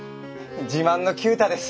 自慢の九太です！